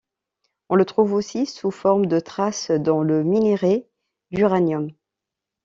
On le trouve aussi sous forme de traces dans le minerai d'uranium.